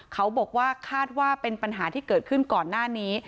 เขาบอกว่าคาดว่าเป็นปัญหาที่เกิดขึ้นก่อนหน้านี้